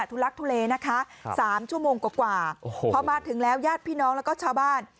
ทุลักทุเลนะคะสามชั่วโมงกว่าโอ้โหพอมาถึงแล้วญาติพี่น้องแล้วก็ชาวบ้าน